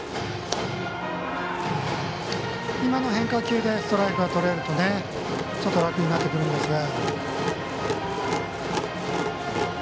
今の変化球でストライクがとれるとちょっと楽になってくるんですが。